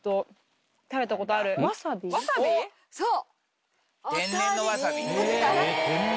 そう。